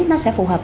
nó sẽ phù hợp